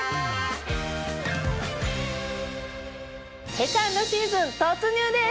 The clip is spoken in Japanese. セカンドシーズン突入です！